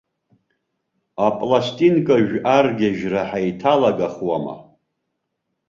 Апластинкажә аргьежьра ҳаиҭалагахуама?